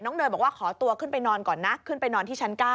เนยบอกว่าขอตัวขึ้นไปนอนก่อนนะขึ้นไปนอนที่ชั้น๙